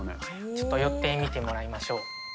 ちょっと寄ってみてもらいまえ？